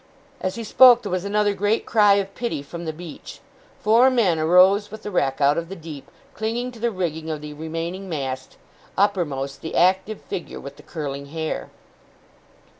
As he spoke, there was another great cry of pity from the beach; four men arose with the wreck out of the deep, clinging to the rigging of the remaining mast; uppermost, the active figure with the curling hair.